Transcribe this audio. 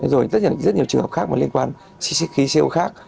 rồi rất nhiều trường hợp khác liên quan đến khí co khác